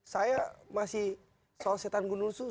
saya masih soal setan gunung susu